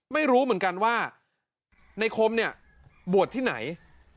ไม่รู้เหมือนกันว่าในคมเนี่ยบวชที่ไหน